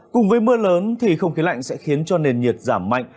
cùng với mưa lớn thì không khí lạnh sẽ khiến cho nền nhiệt giảm mạnh